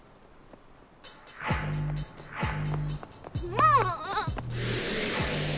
もう！